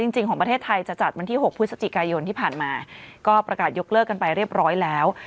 จริงของประเทศไทยจะจัดวันที่๖พฤศจิกายนที่ผ่านมาก็ประกาศยกเลิกกันไปเรียบร้อยแล้ว